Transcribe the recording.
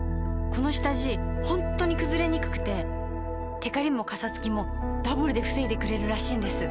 この下地ホントにくずれにくくてテカリもカサつきもダブルで防いでくれるらしいんです。